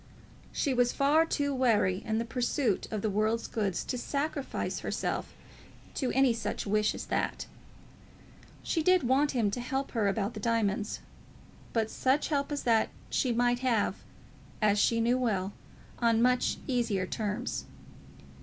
She was far too wary in the pursuit of the world's goods to sacrifice herself to any such wish as that. She did want him to help her about the diamonds, but such help as that she might have, as she knew well, on much easier terms.